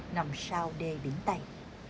nằm sau đê biển tây